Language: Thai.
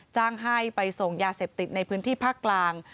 จ้างให้ไปส่งยาเสพติดในพื้นที่ภาคกลาง